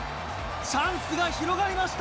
チャンスが広がりました。